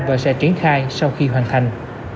và sẽ triển khai sau khi hoàn thành